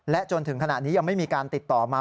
จนถึงขณะนี้ยังไม่มีการติดต่อมา